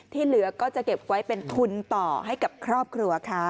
เหลือก็จะเก็บไว้เป็นทุนต่อให้กับครอบครัวค่ะ